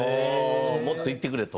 もっといってくれと。